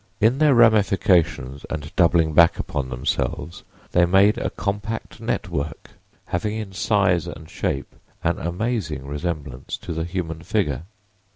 In their ramifications and doublings back upon themselves they made a compact network, having in size and shape an amazing resemblance to the human figure.